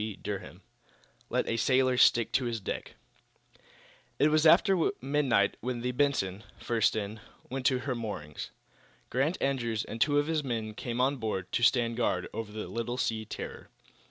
CHAPTER XII LET A SAILOR STICK TO HIS DECK It was after midnight when the "Benson," first in, went to her moorings. Grant Andrews and two of his men came on board, to stand guard over the little sea terror.